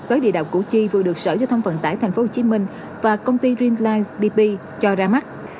với địa đạo củ chi vừa được sở cho thông phận tải tp hcm và công ty rimline bp cho ra mắt